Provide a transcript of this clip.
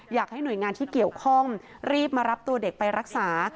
อยากให้หน่วยงานที่เกี่ยวข้องรีบมารับตัวเด็กไปรักษา